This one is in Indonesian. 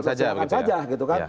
silahkan saja gitu kan